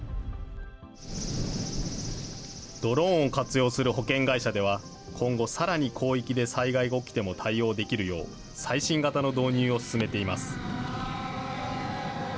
ドローンを活用する保険会社では、今後さらに広域で災害が起きても対応できるよう、最新型の導入を進めています。